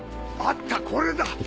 あったこれだ！